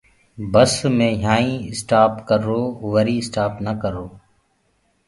بس يهآنٚ ئي مينٚ اِسٽآپ ڪرو وري اِسٽآپ نآ ڪرو۔